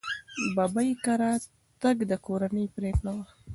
ببۍ کره تګ د کورنۍ پرېکړه وه.